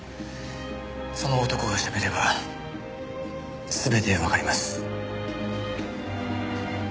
その男が喋れば全てわかります。